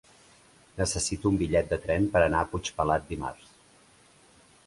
Necessito un bitllet de tren per anar a Puigpelat dimarts.